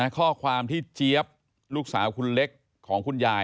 ข้อความที่เจี๊ยบลูกสาวคุณเล็กของคุณยาย